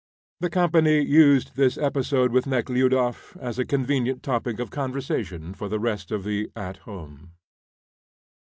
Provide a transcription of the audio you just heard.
The company used this episode with Nekhludoff as a convenient topic of conversation for the rest of the "at home."